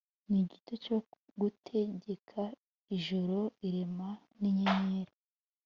n’igito cyo gutegeka ijoro, irema n’inyenyeri.